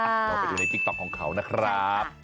ลองไปดูในติ๊กต๊อกของเขานะครับ